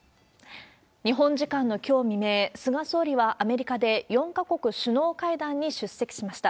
日本時間のきょう未明、菅総理はアメリカで４か国首脳会談に出席しました。